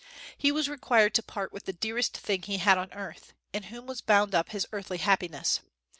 He was required to part with the dearest thing he had on earth, in whom was bound up his earthly happiness.